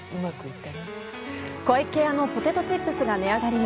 湖池屋のポテトチップスが値上がりに。